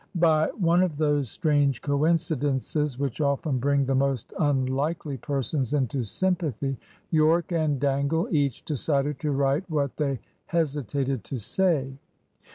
By one of those strange coincidences which often bring the most unlikely persons into sympathy, Yorke and Dangle each decided to write what they hesitated to say.